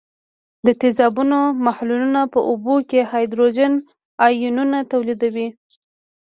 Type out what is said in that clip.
د تیزابونو محلولونه په اوبو کې هایدروجن آیونونه تولیدوي.